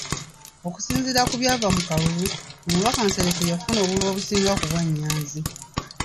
Okusinziira ku byava mu kalulu, omubaka Nsereko yafuna obululu obusinga ku bwa Nyanzi.